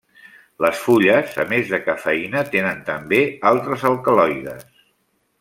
Les fulles a més de cafeïna tenen també altres alcaloides.